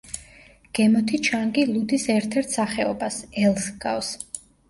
გემოთი ჩანგი ლუდის ერთ-ერთ სახეობას ელს ჰგავს.